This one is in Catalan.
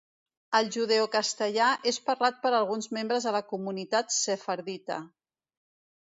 El judeocastellà és parlat per alguns membres de la comunitat sefardita.